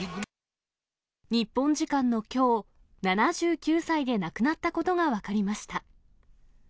日本時間のきょう、７９歳で亡くなったことが分かりました。